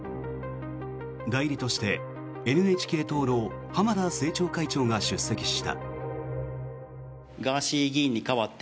代理としてＮＨＫ党の浜田政調会長が出席した。